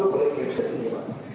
bentuk pulaunya pun diatur oleh gepres